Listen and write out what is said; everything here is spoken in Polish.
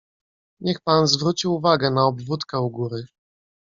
"Niech pan zwróci uwagę na obwódkę u góry."